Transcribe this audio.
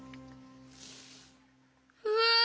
うわ！